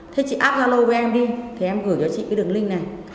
thế chị áp gia lô với em đi thì em gửi cho chị cái đường link này